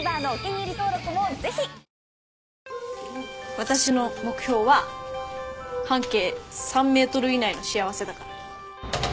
私の目標は半径３ｍ以内の幸せだから。